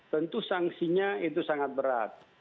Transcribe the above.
tentu sanksinya itu sangat berat